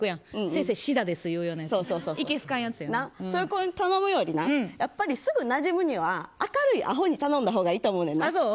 先生、シダです言うようなそういう子に頼むよりなやっぱりすぐなじむには明るいアホに頼んだほうがいいと思うねんな。